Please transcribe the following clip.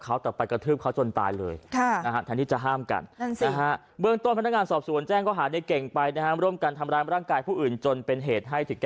คุณไม่ได้รู้สำหรับการก็จะมีบางปัญหาอะไรเลย